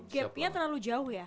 gapnya terlalu jauh ya